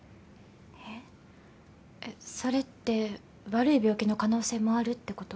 えっそれって悪い病気の可能性もあるって事？